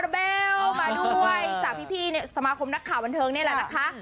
เบลมาด้วยจากพี่สมาคมนักข่าวบันเทิงนี่แหละนะคะ